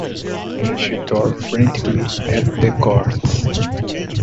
Then she tore frantically at the cords.